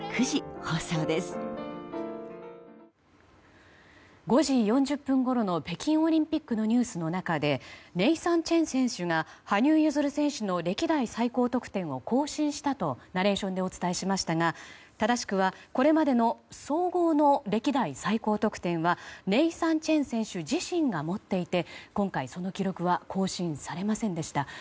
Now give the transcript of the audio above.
５時４０分ごろの北京オリンピックのニュースの中でネイサン・チェン選手が羽生結弦選手の歴代最高得点を更新したとナレーションでお伝えしましたが正しくは、これまでの総合の歴代最高得点はネイサン・チェン選手自身が持っていて今回、その記録は更新されませんでした。